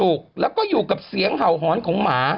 ถูกแล้วก็อยู่กับเสียงเห่าหอนของหมา